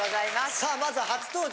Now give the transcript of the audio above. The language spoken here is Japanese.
さあまず初登場